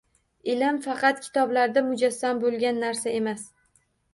Ilm faqat kitoblarda mujassam bo‘lgan narsa emas